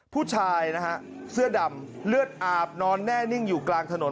ผู้ชายนะฮะเสื้อดำเลือดอาบนอนแน่นิ่งอยู่กลางถนน